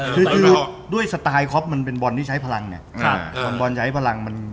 คือด้วยสไตล์คอปมันเป็นบอลที่ใช้พลังเนี่ย